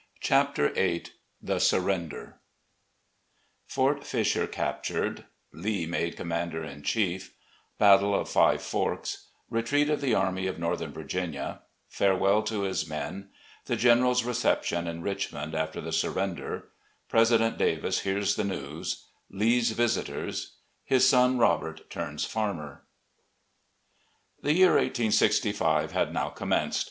CHAPTER VIII Thb Surrender FORT FISHER CAPTURED — ^LEE MADE COMMANDER IN CHIEF — BATTLE OF FIVE FORKS — ^RETREAT OF THE ARMY OF NORTHERN VIRGINIA — ^FAREWELL TO HIS MEN — THE general's reception IN RICHMOND AFTER THE SUR RENDER — ^PRESIDENT DAVIS HEARS THE NEWS — ^LEE's VISITORS — HIS SON ROBERT TURNS FARMER The year 1865 had now commenced.